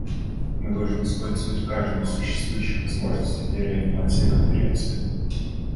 Мы должны использовать каждую из существующих возможностей для реанимации Конференции.